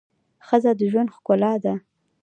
ښځه د ژوند ښکلا ده